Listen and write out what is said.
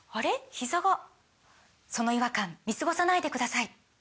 ひざがその違和感見過ごさないでください